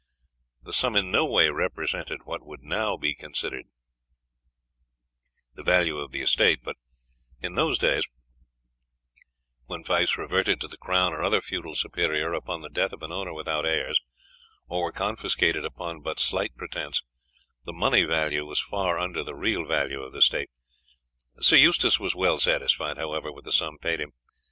The sum in no way represented what would now be considered the value of the estate, but in those days, when fiefs reverted to the crown or other feudal superior upon the death of an owner without heirs, or were confiscated upon but slight pretence, the money value was far under the real value of the estate. Sir Eustace was well satisfied, however, with the sum paid him.